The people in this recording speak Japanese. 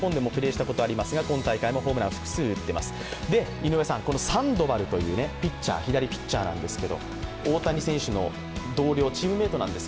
井上さん、サンドバルという左ピッチャーなんですけど大谷選手の同僚、チームメイトなんです。